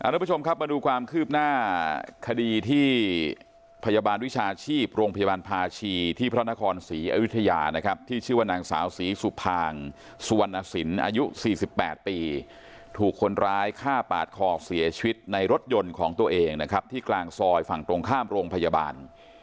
ทุกผู้ชมครับมาดูความคืบหน้าคดีที่พยาบาลวิชาชีพโรงพยาบาลภาชีที่พระนครศรีอยุธยานะครับที่ชื่อว่านางสาวศรีสุภางสุวรรณสินอายุ๔๘ปีถูกคนร้ายฆ่าปาดคอเสียชีวิตในรถยนต์ของตัวเองนะครับที่กลางซอยฝั่งตรงข้ามโรงพยาบาล